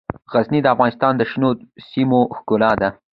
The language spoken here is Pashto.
غزني د افغانستان د شنو سیمو ښکلا ده.